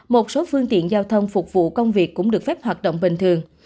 một số phương tiện giao thông phục vụ công việc cũng được phép hoạt động bình thường